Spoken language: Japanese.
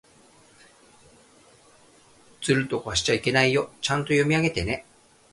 ずるとかしちゃいけないよ。ちゃんと読み上げてね。